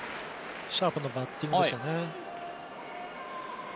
シャープなバッティングでしたね。